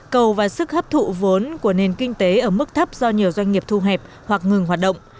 cầu và sức hấp thụ vốn của nền kinh tế ở mức thấp do nhiều doanh nghiệp thu hẹp hoặc ngừng hoạt động